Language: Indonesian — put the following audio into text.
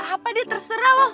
apa deh terserah lo